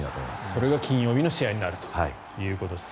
それが金曜日の試合になるということです。